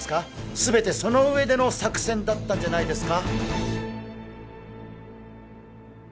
すべてその上での作戦だったんじゃないですか？